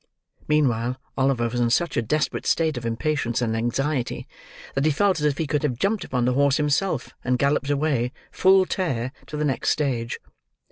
Meanwhile Oliver was in such a desperate state of impatience and anxiety, that he felt as if he could have jumped upon the horse himself, and galloped away, full tear, to the next stage.